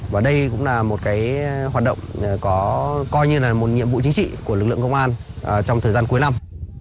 và đây cũng là một hoạt động có coi như là một nhiệm vụ chính trị của lực lượng công an trong thời gian cuối năm